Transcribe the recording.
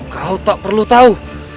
kau tak perlu tahu